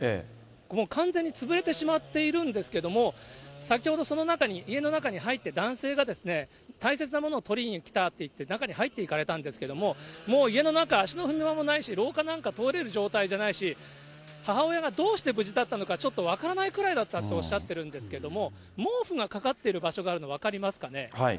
もう完全に潰れてしまっているんですけれども、先ほどその中に、家の中に入って、男性が大切なものを取りに来たっていって中に入っていかれたんですけれども、もう家の中、足の踏み場もないし、廊下なんか通れる状態じゃないし、母親がどうして無事だったのか、ちょっと分からないくらいだったとおっしゃってるんですけれども、毛布がかかってる場所があるの分かりますかね。